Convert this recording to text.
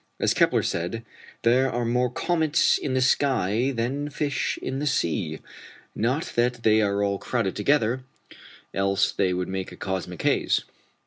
As Kepler said, there are more "comets" in the sky than fish in the sea. Not that they are at all crowded together, else they would make a cosmic haze.